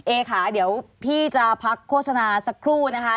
เอค่ะเดี๋ยวพี่จะพักโฆษณาสักครู่นะคะ